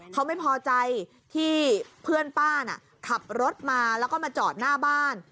เขาไม่พอใจที่เพื่อนป้าน่ะขับรถมาแล้วก็มาจอดหน้าบ้าน